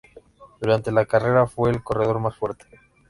Durante la carrera, fue el corredor más fuerte.